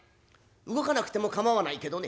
「動かなくても構わないけどね